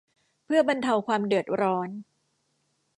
เพื่อบรรเทาความเดือดร้อน